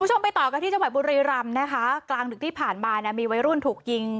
คุณผู้ชมไปต่อกันที่จังหวัดบุรีรำนะคะกลางดึกที่ผ่านมาเนี่ยมีวัยรุ่นถูกยิง